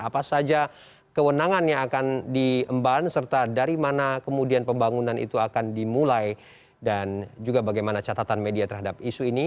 apa saja kewenangan yang akan diemban serta dari mana kemudian pembangunan itu akan dimulai dan juga bagaimana catatan media terhadap isu ini